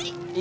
di mana sih